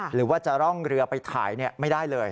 หรือว่าจะร่องเรือไปถ่ายไม่ได้เลย